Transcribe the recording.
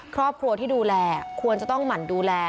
ครอบครัวที่ดูแลควรจะต้องหมั่นดูแล